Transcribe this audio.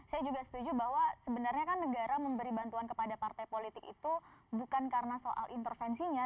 saya juga setuju bahwa sebenarnya kan negara memberi bantuan kepada partai politik itu bukan karena soal intervensinya